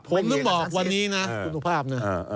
ผมถึงบอกวันนี้นะคุณสุภาพนะ